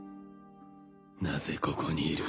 なぜここにいる？